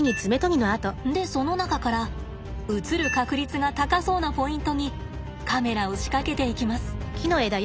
でその中から映る確率が高そうなポイントにカメラを仕掛けていきます。